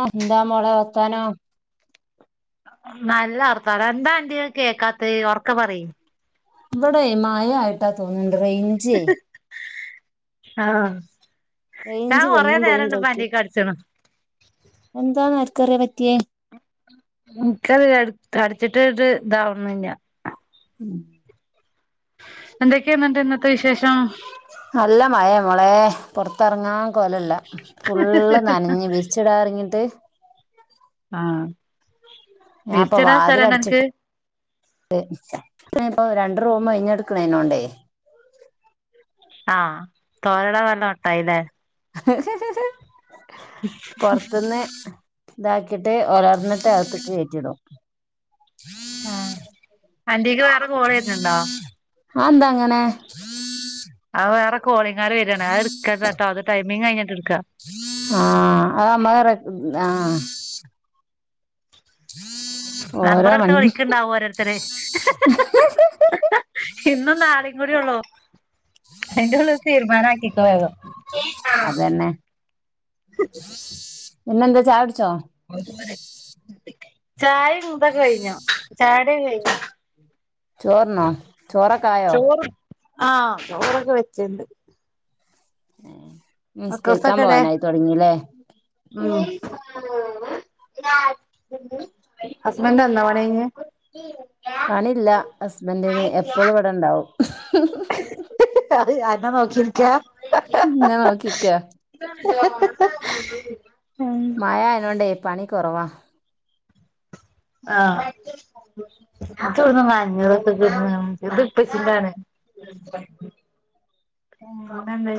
ആഹ് ന്താ മോളെ വർത്താനോ.? നല്ല വർത്താനോ എന്താ അന്റെഹ് കേക്കാത്തെഹ് ഒർക്കെ പറയ് ബടെയ് മയായിട്ടാ തോന്ന്ണ്ട് റെെയ് ൻ ഹ് ഹ് ആഹ് ഞാ റേഞ്ച് കൊറേ വന്നും പോയും നേരണ്ട് കളിക്കും [unintelligible] ച് ണ എന്താന്ന് ആര് കറിയ പറ്റ്യേ.. ഇൻക്കത് അട് അടിച്ചിട്ട് ഇതാവണ് ല്ല്യ. മ്. എന്തൊക്കെയാന്ന്ട്ട് ഇന്നത്തെ വിശേഷം.? നല്ല മഴയാ മോളെ പൊറത്തെറങ്ങാ കൊലല്ല ഫുള്ള് നനഞ്ഞ് ബീച്ച് [unintelligible] അറിഞ്ഞിട്ട് ആഹ് ഞാൻപ്പൊ വീര്ച്ടാ സ്ഥലഇണ്ടോ ക്? പ്പോ രണ്ട് റൂമ് ഒഴിഞ്ഞെട് ക്ണൈനോണ്ടേ ആഹ് [unintelligible] പൊറത്ത്ന്ന് താക്കിട്ട് ഒരറിന്ന്ട്ട് അത്ത്ക് കേറ്റിടും. ആഹ് ആന്റയില് വേറെ കോള് വെര്ന്ണ്ടോ ആഹ് ന്താങ്ങനെ ആഹ് വേറെ കോളിങ്ങാര് വരാണ് എടുക്കണ്ടട്ടോ അത് ടൈമിങ് കഴിഞ്ഞ്ട്ട് എടുക്ക ആഹ് ആമ്മ റ ആഹ് നമ്പർ എടുത്ത് വിളിക്ക്ണ്ടാവും ഓരോരുത്തര് [unintelligible] ഇന്നും നാളെയും കൂടിയൊള്ളൂ അയ്‌ന്റുള്ളിൽ തീരുമാനക്കിക്കോ വേഗം അതന്നെ പിന്നെന്താ ചായുട്ച്ചോ ചായ മുമ്പെ കഴിഞ്ഞു ചായുടിയൊക്കെ കഴിഞ്ഞു ചോർന്നോ ചോറൊക്കായോ ചോറ് ആഹ് ചോറൊക്കെ വെച്ച്ണ്ട് ഉം മക്കൾസൊക്കേടെ ഉം ഹസ്ബന്റ് വന്നോ പണി കഴിഞ്ഞ് പണില്ല ഹസ്ബന്റിന് എപ്പളും ഇവടെണ്ടാവും അയ് അന്നെ നോക്കിരിക്കാ ന്നാ നോക്കിരിക്ക ഉം മയായതോണ്ടേ പണി കുറവാ ആഹ് ഇതൊവ് എട്ന്നാ നനഞ്ഞതൊക്കെ ഇതിപ്പച്ചിന്റാണ്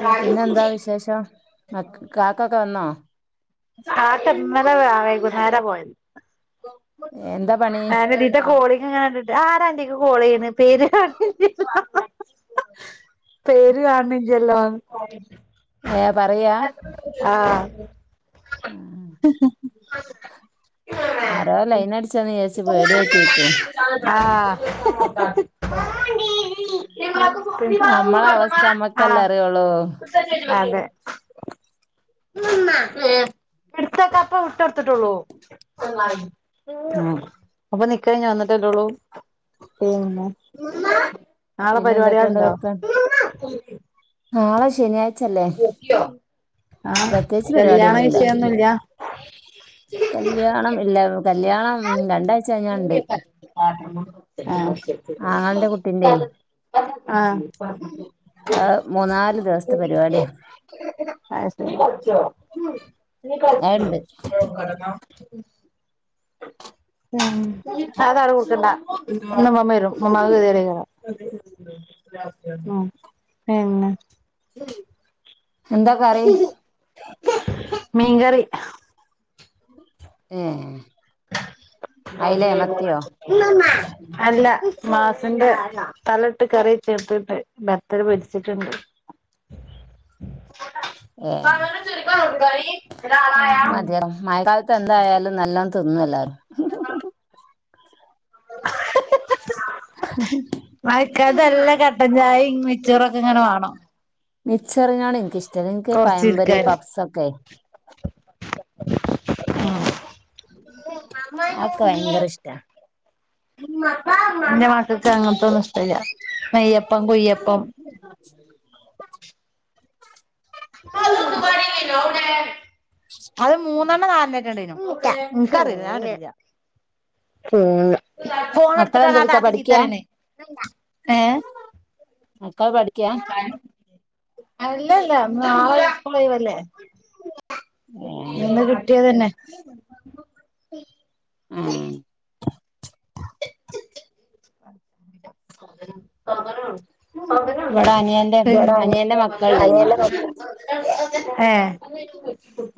[inaudible] വിശേഷം മ കാക്കൊക്കെ വന്നോ? കാക്ക ഇന്നലെ രാ വൈകുന്നേരാ പോയത് എന്താ പണി ന്റെ കോളിങ്ങനെ കണ്ട്‌ട്ട് ആരാന്റീക്ക് കോളെയ്യ്ണ് പേര് കാ പേര് കാണ്ണില്ലല്ലോന്ന് ഏ പറയാ ആഹ് [unintelligible] ആരോ ലൈനട്ച്ചാന്നിചാരിച്ച് പേടിയായ്ട്ടേക്കും. ആഹ് [unintelligible] [inaudible] നമ്മളെ അവസ്ഥ നമ്മക്കല്ലേ ആഹ് അറിയുള്ളൂ അതെ [inaudible] ഏഹ്, ഇട്ത്തെക്ക പ്പ വുട്ടൊട്ത്ത്ട്ടൊള്ളൂ ഉം അപ്പൊ നിക്കായ്ഞ്ഞ് വന്നിട്ടല്ലെള്ളൂ പിന്നെ, [inaudible] നാളെ പിന്നെ എന്തൊക്കെയുണ്ട് പരിപാടിയാള്ണ്ടോ? വർത്താനം നാളെ ശനിയാഴ്ച അല്ലേ, ആ പ്രത്യേകിച്ച് കല്യാണ പരിപാടിയൊന്നുല്ല. വിഷയൊന്നുല്ല കല്യാണം എല്ലാവ [inaudible] ആങ്ങളന്റെ കുട്ടിന്റെ ആഹ് ആഹ് അത് മൂന്നാല് ദിവസത്തെ പരിപാടിയാ അതുണ്ട് [unintelligible] ഉം, അ അതാടെ പൂസണ്ട ഇന്ന് ഇമ്മമ്മ വരും. ഇമ്മമ്മാക്ക് കെതിയേടക്കാരം. അഹ് എന്താ കറി? മീൻകറി ഏഹ് ന്തേക്കാന്നു? [inaudible] അല്ല, മാസിന്റെ തലട്ട് കറി ചേർത്തിട്ട് ബത്തല് പൊരിച്ചിട്ടുണ്ട്. ഏ [inaudible] [unintelligible] പ്പ എന്തായാലും നല്ലോം തിന്നല്ലാരും. [unintelligible] [unintelligible] മഴക്കാലത്ത് നല്ല കട്ടൻചായ മിച്ചോറൊക്കെ ഇങ്ങനെ മാണം മിച്ചെറിനോട് എനിക്കിഷ്ടല്ല. ഇൻക്ക് പയമ്പരി കൊറച്ചിരിക്കാന് പപ്പ്സൊക്കെ [inaudible] അതൊക്കെ [inaudible] ഭയങ്കര ഇഷ്ടാ ഇന്റെ മക്കൾക്ക് അങ്ങൻത്തൊന്നുംഇഷ്ടല്ല. നെയ്യപ്പം കുയ്യപ്പം [unintelligible] [inaudible] അത് മൂന്നെണ്ണം നാലെണ്ണറ്റണ്ടായിനു മക്കളെന്തെടുക്കാ പഠിക്കാ [unintelligible] [unintelligible] ഒക്കാ പടിക്കയാ? [inaudible] അല്ലല്ല. [unintelligible] ഒഴിവല്ലേ ഏ ഇന്ന് കിട്ടിയേത് തന്നെ ആഹ് സതന ഇവിടെ അനിയന്റെ അനിയന്റെ മക്കളുണ്ടേനി [unintelligible] [inaudible] ഏഹ്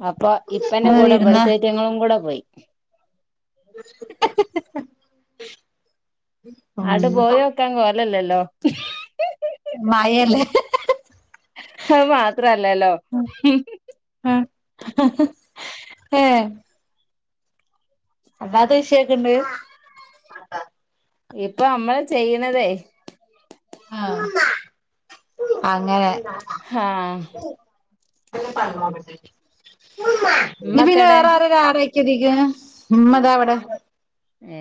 അപ്പ ഇപ്പന്റെ കൂടെ ഇവിടുത്തേറ്റങ്ങളും കൂടെ പോയി. [inaudible] ഉം ആണ്ടു പോയോക്കാൻ കോലല്ലല്ലോ. മഴല്ലേ? അത്‌ മാത്രല്ലല്ലോ [unintelligible] ഏ അല്ലാത്ത വിഷയൊക്കെണ്ട്? ഇപ്പ നമ്മള് ചെയ്യണതേ ആഹ്, അങ്ങനെ ഹ പിന്നെ ഉമ്മക്കെടെ വേറെ ആര ആര തിക്ക് ഉമ്മതാ അവിടെ ഏ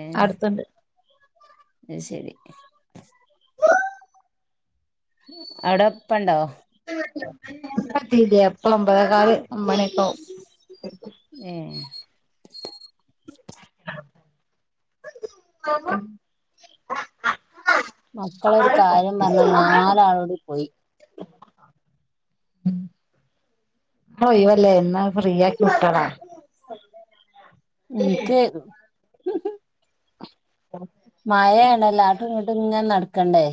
അ ശരി അവിടെപ്പ ഉണ്ടോ പറ്റല്ല എപ്പള അമ്പതക്കാറ് അമ്പണക്ക ഏ [inaudible] ആ മക്കളൊ ഒരു ആവും കാര്യം പറഞ്ഞാ നാലാ ആളോട് പോയി ഒയവല്ലേ ഇന്ന് ഫ്രീ ആക്കി വിട്ടണം എനിക്ക് ആ മഴണ്ട ലാട്ടും ഇങ്ങട്ടും ഞാൻ നടക്കണ്ടേ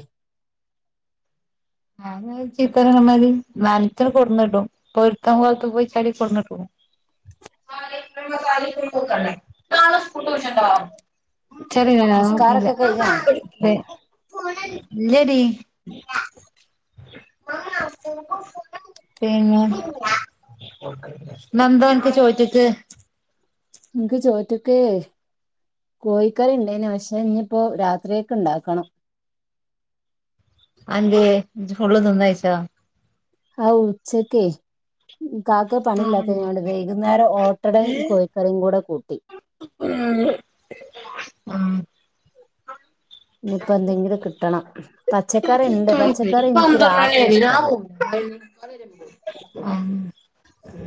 അ ചീത്തറമാതിരി നനത്ര കൊടുന്ന് കട്ടും പത്ത വ പൈ ചാടി കൊണട്ട നാളെ സ്കൂളിന്താ ശരില്ല നാൻില്ല നിസ്കാരൊക്കെ കഴിഞ്ഞാ ഇരി പിന്നെ ന്ന ന്താ ആൻക് ചോറ്റ്ക്ക് ൻക്ക് ചോറ്റ്ക്ക്, കോഴിക്കറിണ്ടേനി പക്ഷെ ഇഞ്പ്പോ രാത്രികക്ക്ണ്ടാക്കണം ആഹ് ന്ദ്യേ ജ് ഫുള്ള് തിന്നയിച്ചാ ആൗച്ചക്കേ കാക്ക പണില്ലാതീ നോണ്ട് വൈകുന്നേരം ഓട്ടടയും കോഴിക്കറിംകൂടെ കൂട്ടി ഉം ആഹ്‌ ഞ്പ്പ ന്തെങ്കിലും കിട്ടണം പച്ചക്കറി ഉണ്ട് പച്ചക്കറി എനിക്ക് പന്ത്രണ്ടണി രാത്രി അല്ലെ ഇഷ്ടല്ല [unintelligible]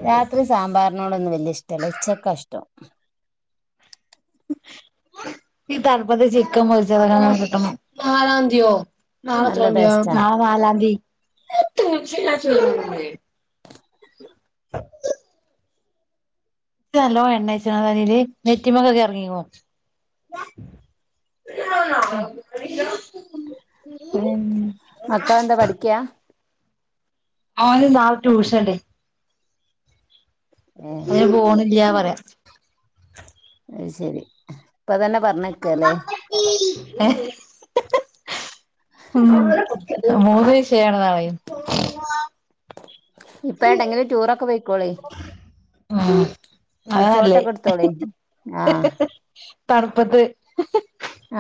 രാത്രി സാമ്പാറിനോടൊന്നും വല്യഷ്ടല്ല ഉച്ചക്ക ഇഷ്ടം ഈ തൺപ്പത് ചിക്കൻ പൊരിച്ചതങ്ങട്ട് കിട്ടണം, നല്ല നാളത്രന്ദ്യ ടേസ്റ്റാ നാളെ നാലാംദി [unintelligible] നല്ലോ എണ്ണേച്ച്ക്ണ നെറ്റിമക്കൊകെർങ്ങിക്ക്ണു ഉം മക്കളെന്താ പഠിക്കാ അവഓന് നാളെ ട്യൂഷൻണ്ട് ഏ അതിന് പോണ്ല്ല്യ പറിയ അയ്‌ശരി ഇപ്പൊതന്നെ ഹി ഹി ഹി മൂന്ന് വിഷയാണ് നാളെ ഇപ്പ എണ്ടങ്കിലും റ്റൂറോക്കെ പോയ്‌ക്കോളി ആഹ്‌ അതാനല്ലത് റിസോർട്ടൊക്കെ എടുത്തോളി ഹ് ആഹ് ഹ് ഹ് തണുപ്പത്ത്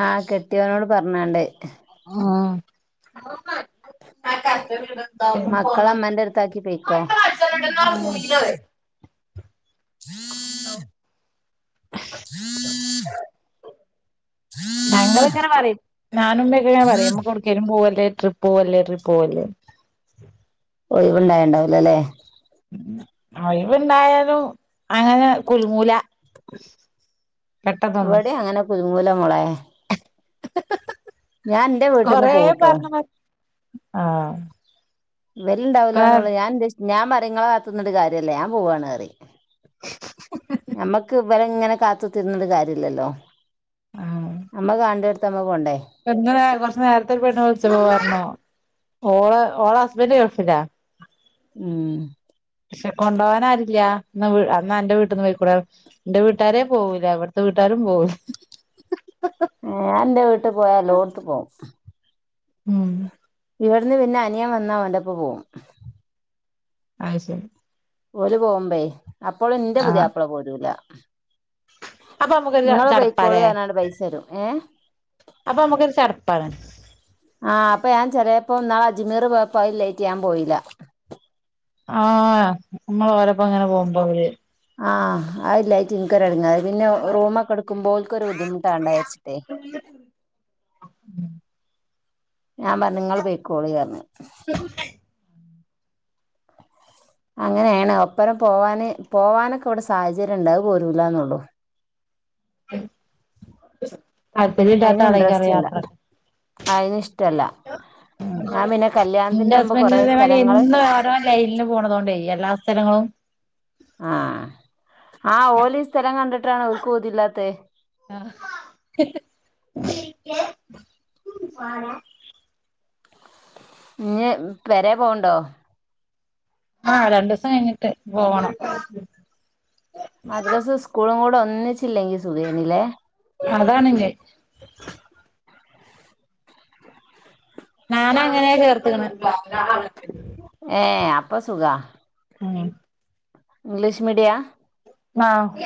ആ കെട്ട്യോനോട് പർഞാണ്ട് ഉം മക്കളെ അമ്മന്റെ അടുത്താക്കി പോയിക്കോ [unintelligible] ഉം ആ ഹം ഞങ്ങളിങ്ങനെ പറിം ഞാനു മ്യൊക്കെ ങ്ങനെ പറയും ഞമ്മക്ക് ഒരട്ക്കങ്കിലും പോവല്ലേ ട്രിപോവല്ലേ ട്രിപോവല്ലേ? ഒഴിവുണ്ടായണ്ടാവുലലെ ഓയ്‌വ്ണ്ടായാലും അങ്ങനെ കുൽങ്ങൂല ഇവടിം അങ്ങനെ കുൽങ്ങൂല മോളെ ഞാൻ എന്റെ വീട്ടിന്ന് കൊറേ പോവുട്ടോ പറഞ് മട് ആഹ്‌ ഇവര്ണ്ടാവൂലന്നൊള്ളു ഞാൻ ന്റെ ഇഷ് ഞാ പറിം ഞാ ഇങ്ങളെ കാത്ത് ന്ന്ട്ട് കാര്യല്ലഞാൻ പോവാണ്ന്നറിം ഞമ്മക്ക് ഇവരെങ്ങനെ കാത്ത് ത്തിരിന്നിട്ട് കാര്യല്ലല്ലോ ഞമ്മക് കണ്ടേടത്ത് നമ്മള് പോണ്ടേ എങ്ങനെ കോർച്ച നേര്ത്തെ ഒരു പെണ്ണ് വിളിച്ചപ്പോ പർണോ? ഓള് ഓളെ ഹസ്ബന്റ് ഗൾഫിലാ ഉം ക്ഷെ കൊണ്ടോവൻ ആരുല്ല ന്ന അന്റെ വീട്ട്ന്ന് പോയ്‌ക്കൂടെ അന്റെ വീട്ട് വീട്ടാരേ പോകൂല അവിടത്തെ വീട്ടാരും പോകൂല്ല ഏ ഞാന്റെ വീട്ടി പോയാൽ എല്ലോട്ത്തും പോകും ഉം ഇവട്ന്ന് പിന്നെ അനിയാൻ വന്നാ ഓന്റപ്പം പോകും അഹ്‌ശരി ഓല് പോകുമ്പേ അപ്പോളും ന്റെ ആഹ് പുതിയാപ്പള പോരൂല അപ്പൊ നമുക്കൊരു ങ്ങള് പൈക്കോളി ചടപ്പാലേ ന്നർഞ്കാണ്ട് പൈസരും ഏ അപ്പൊ അമ്മക്കോരു ചടപ്പാണ് ആഹ് അപ്പൊ ഞാൻ ചിലപ്പോ നാെ അജ്മീർ പോയപ്പോ ലേറ്റ് ചെയ്യാൻ പോയില്ല ആഹ് നമ്മള് ഓരപ്പോ അങ്ങനെ പോകുമ്പോ അവര് ആഹ് അല്ലായിട്ട് നിനിക്കൊരടുങ്ങാെ പിന്നെ റൂമൊക്കെ എടുക്കുമ്പോൾക്ക ഒരു ബുദ്ധിമുട്ടാണ്ടാരിച്ചിട്ടേ ഞാൻ പറഞ്ഞങ്ങള്ൾ പേക്കോളി പറ [inaudible] അങ്ങനെയാണ് ഒപ്പരം പോവാന് പോവാനൊക്കെ ഇവിടെ സാഹചര്യം ഉണ്ടക പോരല്ലന്നുള്ളു താല്പര്യം ഇല്ലാത്ത അയിന് ആളെക്കാരം ഇൻട്രസ്റ്റ് ഇല്ല യാത്ര അയിന് ഇഷ്ടല്ല ഞാൻ പിന്നെ കല്യാണത്തിന്റെ എന്റെ മുമ്പ് ഹസ്ബൻഡ് കൊറെേ ഇതേമാതിരി സ്ഥലങ്ങള് എന്നും ലൈനില് പോണതുകൊണ്ട് എല്ലാ സ്ഥലങ്ങളും ആഹ് ആ ഓലീ സ്ഥലം കണ്ടിട്ടാണ് [unintelligible] തില്ലാത്ത ആഹ് ഇഞ് പെരെ പോവണ്ടോ ആഹ് രണ്ടു ദിവസം കഴിഞ്ഞിട്ട് പോവണം മദ്രാസ് സ്കൂളും കൂടെ ഒന്നിച്ചില്ലെങ്കിൽ സുഖേനല്ലേ അതാണ്ങ്ക ഞാന് അങ്ങനെ ചേർത്തക്കണ ഏ അപ്പൊ സുഖ ഉം ഇംഗ്ലീഷ് മീഡിയ ആഹ്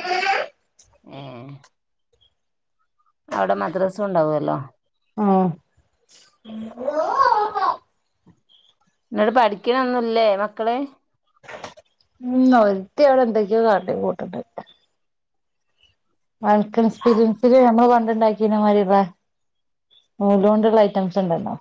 ഏ അവിടെ മദ്രസ ഉണ്ടാവല്ലോ ഉം ന്നട്ട് പഠിക്കണ ഒന്നുല്ലേ മക്കള് ഉം ഒരിത്തി അവിടെ എന്തൊക്കെയോ കാണ്ടി കൂട്ടണ്ട് വൾക്ക് എക്സ്പീരിയൻസില് നമ്മൾ പണ്ടുണ്ടാക്കീനമാതിരിടണ നൂലോണ്ടുഉള്ള ഐറ്റംസ് ഉണ്ടെന്നോ